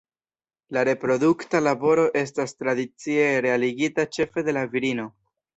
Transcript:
La reprodukta laboro estas tradicie realigita ĉefe de la virino.